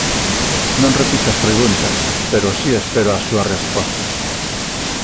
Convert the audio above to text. Non repito as preguntas, pero si espero as súas respostas.